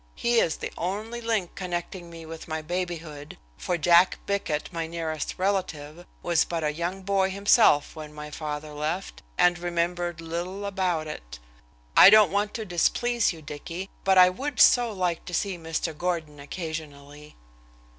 He is the only link connecting me with my babyhood, for Jack Bickett, my nearest relative, was but a young boy himself when my father left, and remembered little about it. I don't want to displease you, Dicky, but I would so like to see Mr. Gordon occasionally."